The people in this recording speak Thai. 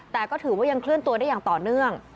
แต่ก็ถือว่ายังเคลื่อนตัวได้อย่างต่อเนื่อง